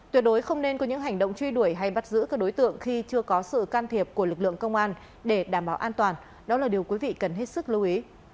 tuyệt đối không nên có những hành động truy đuổi hay bắt giữ các đối tượng khi chưa có sự can thiệp của lực lượng công an để đảm bảo an toàn đó là điều quý vị cần hết sức lưu ý